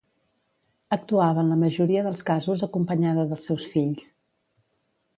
Actuava en la majoria dels casos acompanyada dels seus fills.